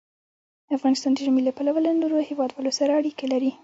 افغانستان د ژمی له پلوه له نورو هېوادونو سره اړیکې لري.